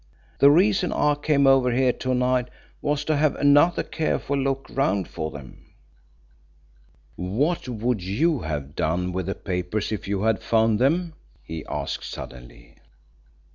The reason I came over here to night was to have another careful look round for them." Rolfe was silent for a moment. "What would you have done with the papers if you had found them?" he asked suddenly.